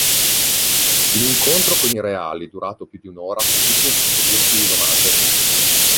L'incontro con i reali, durato più di un'ora, fu tutto un susseguirsi di domande.